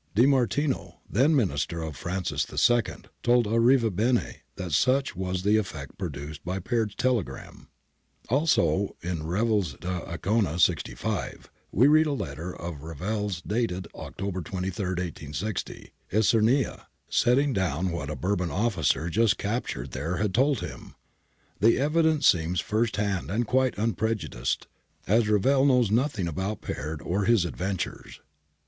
De Marti no, then Minister of Francis II, told Arrivabene that such was the effect produced by Peard's telegrams {Arrivabene, ii. 169). Also in Revel's da Ancona, 65, we read a letter of Revel's dated October 23, i860, hernia, setting down what a Bourbon officer just captured there had told him. The evidence seems first hand and quite unprejudiced, as Revel knows nothinc about Peard or his adventures.